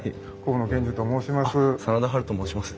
河野健司と申します。